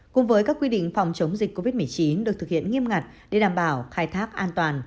cùng với các quy định phòng chống dịch covid một mươi chín được thực hiện nghiêm ngặt để đảm bảo khai thác an toàn